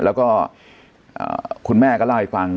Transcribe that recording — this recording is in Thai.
แล้วก็คุณแม่ก็เล่าให้ฟัง